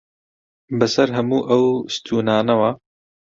بەسەر هەموو ئەو ستوونانەوە